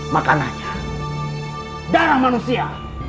makanannya darah manusia